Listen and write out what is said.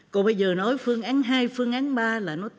còn bây giờ nói phương án hai phương án ba là nó tương tự